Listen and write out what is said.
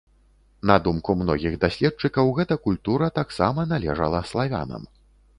На думку многіх даследчыкаў, гэта культура таксама належала славянам.